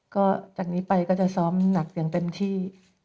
ก็จากนี้ไปก็จะซ้อมหนักอย่างเต็มที่